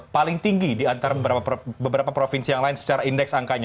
paling tinggi di antara beberapa provinsi yang lain secara indeks angkanya